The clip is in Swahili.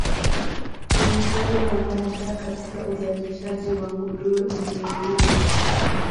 Ni mfano wa nadra katika uzalishaji wa nguruwe ulimwenguni.